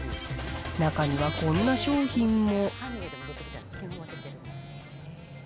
中にはこんな商品も。